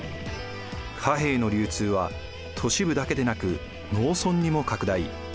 貨幣の流通は都市部だけでなく農村にも拡大。